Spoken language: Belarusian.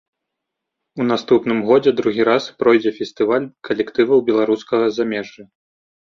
У наступным годзе другі раз пройдзе фестываль калектываў беларускага замежжа.